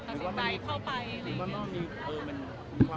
มันเป็นปัญหาจัดการอะไรครับ